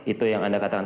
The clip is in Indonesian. itu yang anda katakan